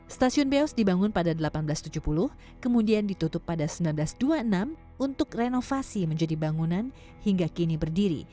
stasiun beos dibangun pada seribu delapan ratus tujuh puluh kemudian ditutup pada seribu sembilan ratus dua puluh enam untuk renovasi menjadi bangunan hingga kini berdiri